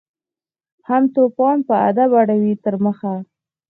هم توپان په ادب اړوي تر مخه